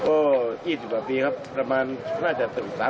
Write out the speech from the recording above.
โอ้๒๐กว่าปีครับประมาณน่าจะถึง๓๐ปีได้